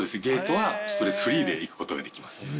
ゲートはストレスフリーで行くことができます。